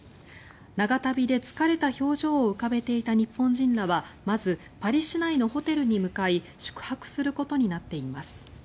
長旅で疲れた表情を浮かべていた日本人らはまずパリ市内のホテルに向かい宿泊することになっています。